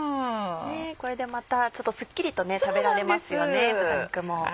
これでまたちょっとスッキリと食べられますよね豚肉も。